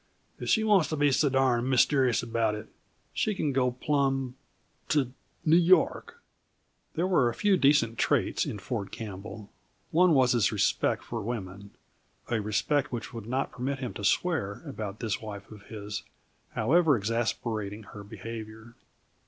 If she wants to be so darned mysterious about it, she can go plumb to New York!" There were a few decent traits in Ford Campbell; one was his respect for women, a respect which would not permit him to swear about this wife of his, however exasperating her behavior.